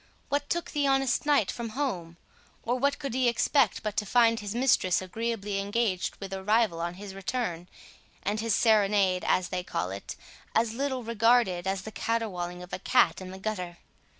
What took the honest knight from home? or what could he expect but to find his mistress agreeably engaged with a rival on his return, and his serenade, as they call it, as little regarded as the caterwauling of a cat in the gutter?